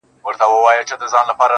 په زړه کي مي خبري د هغې د فريادي وې.